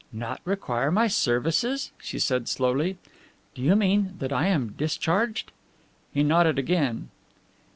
"Not require my services?" she said slowly. "Do you mean that I am discharged?" He nodded again.